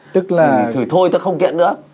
thì thôi ta không kiện nữa